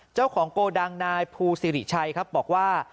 เจ้าของโกดังนายภูสิริชัยครับบอกว่า